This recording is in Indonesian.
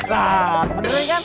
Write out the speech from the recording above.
lah beneran ya